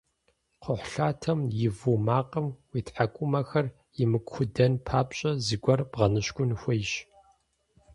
Кхъухьлъатэм и вуу макъым уи тхьэкӏумэхэр имыкудэн папщӏэ зыгуэр бгъэныщкӏун хуейщ.